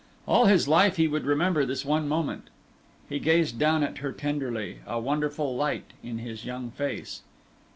All his life he would remember this one moment. He gazed down at her tenderly, a wonderful light in his young face.